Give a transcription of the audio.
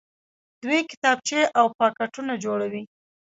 دوی کتابچې او پاکټونه جوړوي.